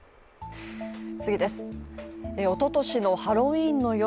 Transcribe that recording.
おととしのハロウィーンの夜